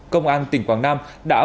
công an tỉnh quảng nam